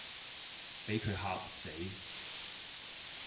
畀佢嚇死